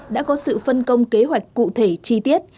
đã có sự phân công kế hoạch cụ thể chi tiết